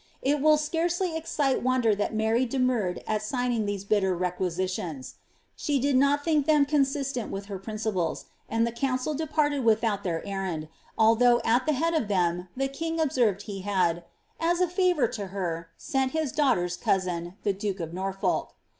It will scarcely excite wonder that Mary demurred at signing these bitter requisitions. She did not think them consistent with her principles, and the council de parted without their errand, although at the head of them the king ob served he had, ^ as a favour to her, sent his daughter's cousin, the duke of Norfolk."'